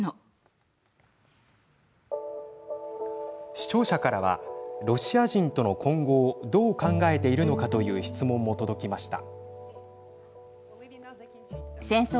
視聴者からはロシア人との今後をどう考えているのかという質問も届きました。